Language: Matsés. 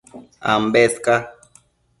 Ambes ca